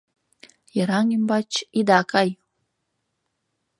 Йыраҥ ӱмбач ида кай -